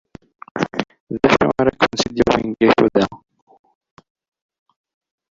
D acu ara kent-id-yawin deg wakud-a?